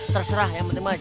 terserah yang penting banget